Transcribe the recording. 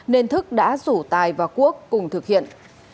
nên thức đã rủ tài và quốc cùng thực hiện